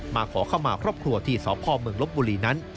ขอเข้ามาครอบครัวที่สพเมืองลบบุรีนั้น